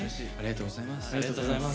ありがとうございます。